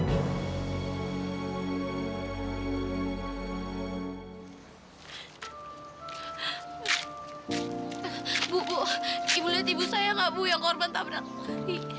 ibu ibu liat ibu saya gak bu yang korban tabrak hari